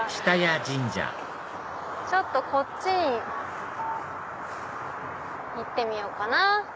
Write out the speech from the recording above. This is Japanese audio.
下谷神社こっちに行ってみようかな。